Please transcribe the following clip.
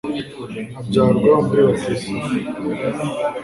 abyarwa muri batisimu